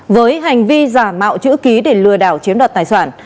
với hành vi giả mạo chữ ký để lừa đảo chiếm đoạt tài sản